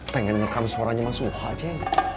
pengen ngerekam suaranya mas suha ceng